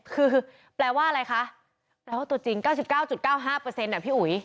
คือแปลว่าอะไรคะแปลว่าตัวจริง๙๙๙๕อ่ะพี่อุ๋ย